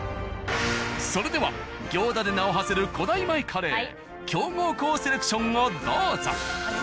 それでは行田で名をはせる古代米カレー強豪校セレクションをどうぞ。